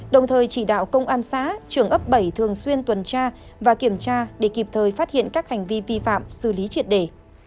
đồng thời chỉ đạo công an xã trường ấp bảy thường xuyên tuần tra và kiểm tra để kịp thời phát hiện các hành vi vi phạm xử lý triệt đề